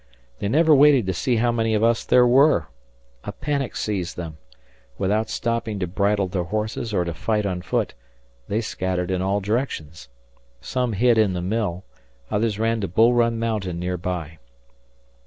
They never waited to see how many of us there were. A panic seized them. Without stopping to bridle their horses or to fight on foot, they scattered in all directions. Some hid in the mill; others ran to Bull Run Mountain near by.